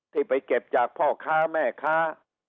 ที่ไปเก็บจากพ่อค้าแม่ค้า